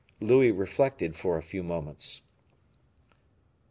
Louis reflected for a few moments.